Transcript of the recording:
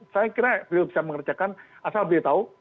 saya kira beliau bisa mengerjakan asal beliau tahu